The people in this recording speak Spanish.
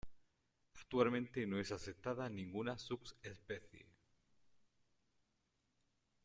Actualmente no es aceptada ninguna subespecie.